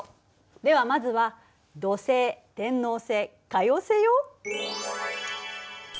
ではまずは土星天王星海王星よ。